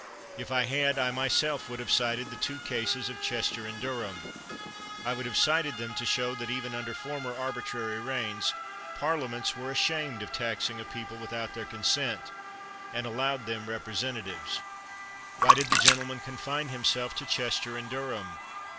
If I had, I my self would have cited the two cases of Chester and Durham. I would have cited them to show that, even under former arbitrary reigns, Par liaments were ashamed of taxing a people with out their consent, and allowed them representa 204 CHATHAM tives. Why did the gentleman confine himself to Chester and Durham?